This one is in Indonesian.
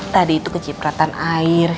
tadi itu kecipratan air